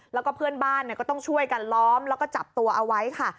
แล้วก็เพื่อนบ้านก็ต้องช่วยกันล้อมแล้วก็จับตัวเอาไว้ค่ะ